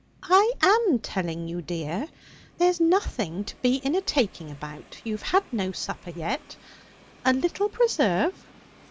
'I am telling you, dear. There's nothing to be in a taking about. You've had no supper yet. A little preserve?'